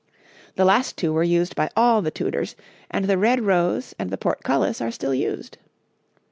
The last two were used by all the Tudors, and the red rose and the portcullis are still used.